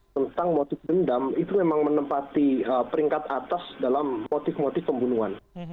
tentang motif dendam itu memang menempati peringkat atas dalam motif motif pembunuhan